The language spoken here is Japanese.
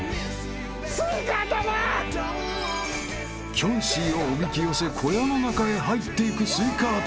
［キョンシーをおびき寄せ小屋の中へ入っていくスイカ頭］